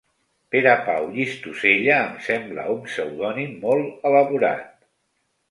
Perepau Llistosella em sembla un pseudònim molt elaborat.